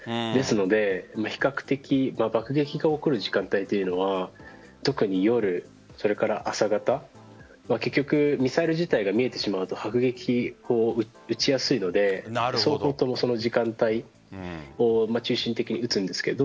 ですので、比較的爆撃が起こる時間帯というのは特に夜、それから朝方結局、ミサイル自体が見えてしまうと迫撃を撃ちやすいのでその時間帯を中心的に撃つんです。